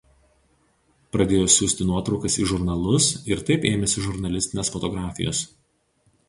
Pradėjo siųsti nuotraukas į žurnalus ir taip ėmėsi žurnalistinės fotografijos.